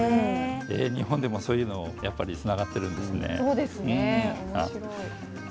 日本でも、そういうのやっぱりつながってるんですね。